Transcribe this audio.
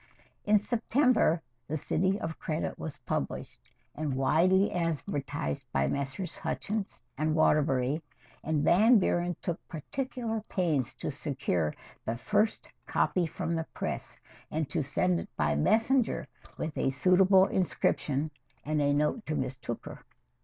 III In September "The City of Credit" was published, and widely advertised by Messrs. Hutchins & Waterbury, and Van Buren took particular pains to secure the first copy from the press and to send it by messenger with a suitable inscription and a note to Miss Tooker.